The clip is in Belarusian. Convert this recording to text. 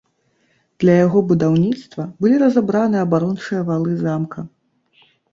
Для яго будаўніцтва былі разабраны абарончыя валы замка.